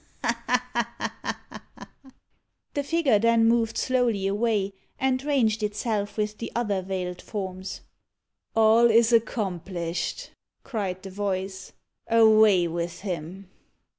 The figure then moved slowly away, and ranged itself with the other veiled forms. "All is accomplished," cried the voice. "Away with him!"